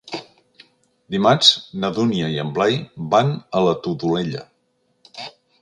Dimarts na Dúnia i en Blai van a la Todolella.